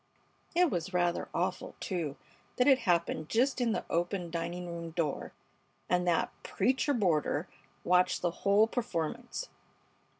It was rather awful, too, that it happened just in the open dining room door, and that "preacher boarder" watched the whole performance.